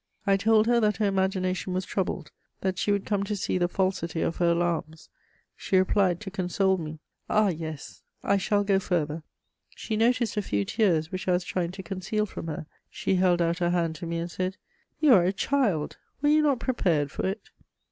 I told her that her imagination was troubled; that she would come to see the falsity of her alarms; she replied, to console me: "Ah, yes, I shall go farther!" She noticed a few tears which I was trying to conceal from her; she held out her hand to me, and said: "You are a child; were you not prepared for it?"